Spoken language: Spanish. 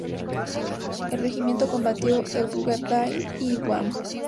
El regimiento combatió en Bougainville y Guam.